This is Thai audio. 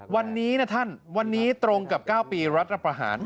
วันนี้นะท่านวันนี้ตรงกับ๙ปีรัฐประหาร